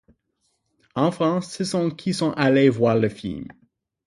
En France, ce sont qui sont allés voir le film.